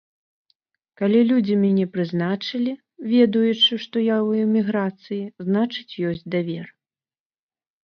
Калі людзі мяне прызначылі, ведаючы, што я ў эміграцыі, значыць, ёсць давер.